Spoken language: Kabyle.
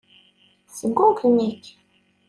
Tesgugem-ik.